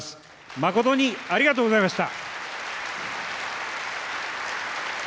誠にありがとうございました。